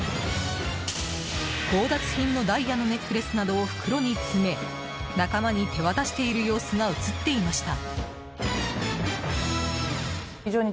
強奪品の、ダイヤのネックレスなどを袋に詰め仲間に手渡している様子が映っていました。